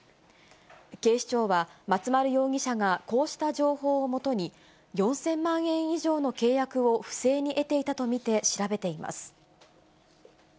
警視庁は松丸容疑者がこうした情報を基に、４０００万円以上の契約を不正に得ていたと見て、調べています。